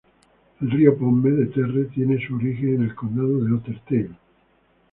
El río Pomme de Terre tiene su origen en el condado de Otter Tail.